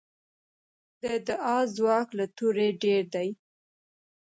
د دعا ځواک له توره ډېر دی.